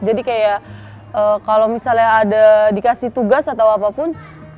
jadi kayak kalau misalnya ada dikasih tugas atau apapun